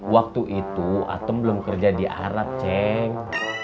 waktu itu atem belum kerja di arab ceng